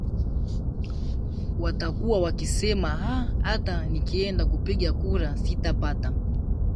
watakuwa wakisema aa hata nikienda kupiga kura sitapataa